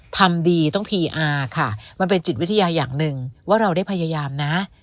ทำดีต้องพีอาร์ค่ะมันเป็นจิตวิทยาอย่างหนึ่งว่าเราได้พยายามนะ